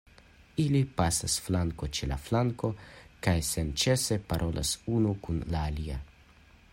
Ili pasas flanko ĉe flanko kaj senĉese parolas unu kun la alia.